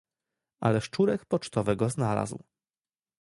"Ale szczurek pocztowy go znalazł."